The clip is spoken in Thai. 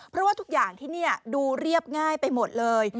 เพราะว่าทุกอย่างที่นี่ดูเรียบง่ายไปหมดเลย